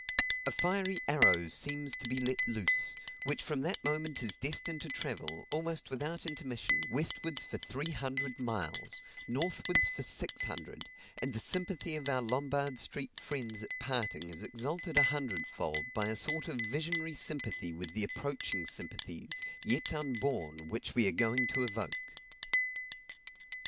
A fiery arrow seems to be let loose, which from that moment is destined to travel, almost without intermission, westwards for three hundred miles northwards for six hundred; and the sympathy of our Lombard Street friends at parting is exalted a hundred fold by a sort of visionary sympathy with the approaching sympathies, yet unborn, which we are going to evoke.